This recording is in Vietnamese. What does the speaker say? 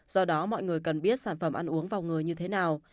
do đó mọi người cần biết sản phẩm ăn uống vào người như thế nào